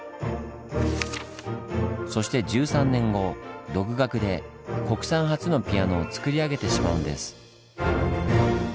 そして１３年後独学で国産初のピアノをつくり上げてしまうんです。